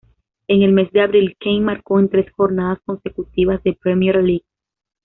En el mes de abril, Kane marcó en tres jornadas consecutivas de Premier League.